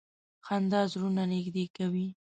• خندا زړونه نږدې کوي.